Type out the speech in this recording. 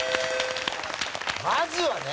まずはね。